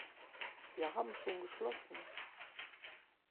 Wir haben schon geschlossen.